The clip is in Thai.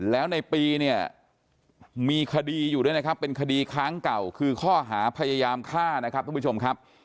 แล้วในปีเนี่ยมีคดีอยู่ด้วยนะครับเป็นคดีค้างเก่าคือข้อหาพยายามฆ่านะครับทุกผู้ชมครับ